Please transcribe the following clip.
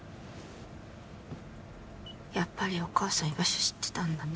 やっぱりお母さん居場所知ってたんだね